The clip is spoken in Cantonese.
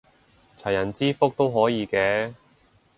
齊人之福都可以嘅